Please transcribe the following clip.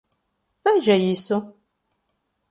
Veja isso?